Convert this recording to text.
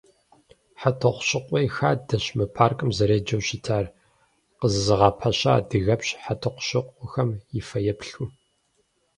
«ХьэтӀохъущыкъуей хадэщ» мы паркым зэреджэу щытар, къызэзыгъэпэща адыгэпщ ХьэтӀохъущокъуэм и фэеплъу.